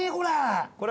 これ。